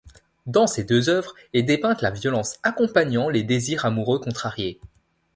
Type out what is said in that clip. Dans ces deux œuvres est dépeinte la violence accompagnant les désirs amoureux contrariés.